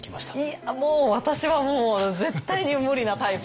いやもう私はもう絶対に無理なタイプで。